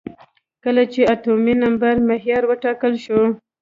کله چې اتومي نمبر معیار وټاکل شو.